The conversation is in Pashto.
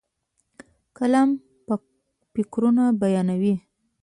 قلم فکرونه بیانوي.